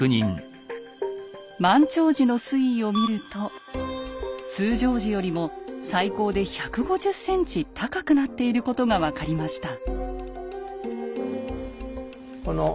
満潮時の水位を見ると通常時よりも最高で１５０ｃｍ高くなっていることが分かりました。